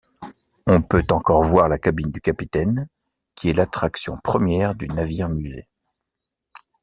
On peut encore voir la cabine du capitaine qui est l'attraction première du navire-musée.